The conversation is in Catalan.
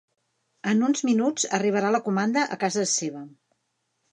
En uns minuts arribarà la comanda a casa seva.